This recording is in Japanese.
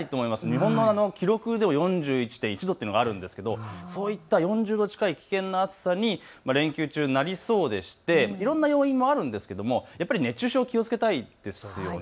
日本の記録でも４１．１度というのがあるんですけれどそういった４０度近い危険な暑さに連休中になりそうでしていろんな要因もあるんですけれどやっぱり熱中症、気をつけたいですよね。